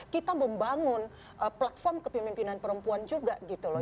kita membangun platform kepemimpinan perempuan juga gitu loh